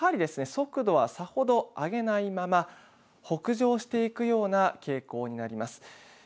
速度は、さほど上げないまま北上していくような傾向になります。